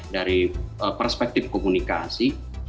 dari perspektif komunikasi